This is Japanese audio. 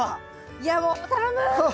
いやもう頼む！